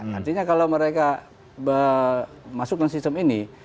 nantinya kalau mereka masukkan sistem ini